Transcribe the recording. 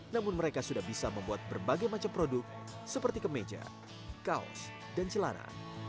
namun mereka sudah bisa membuat berbagai macam produk seperti kemeja kaos dan celana